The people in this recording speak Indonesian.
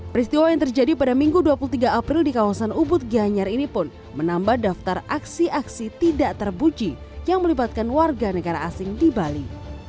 peristiwa yang terjadi pada minggu dua puluh tiga april di kawasan ubud gianyar ini pun menambah daftar aksi aksi tidak terbuji yang melibatkan warga negara asing di bali